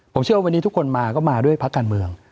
ผมเชื่อว่าวันนี้ทุกคนมาก็มาด้วยพักการเมือง